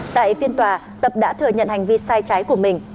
tại phiên tòa tập đã thừa nhận hành vi sai trái của mình